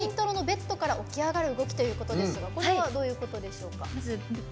松田さんが挙げたのがイントロのベッドから起き上がる動きということなんですがこれはどういうことでしょうか？